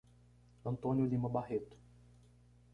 Antônio Lima Barreto